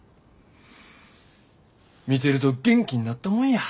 見てると元気になったもんや。